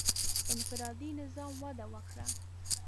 • انفرادي نظام وده وکړه.